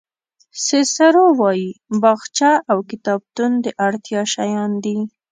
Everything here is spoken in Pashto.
سیسرو وایي باغچه او کتابتون د اړتیا شیان دي.